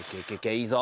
いいぞ。